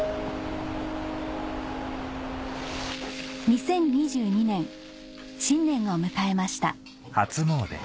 ２０２２年新年を迎えました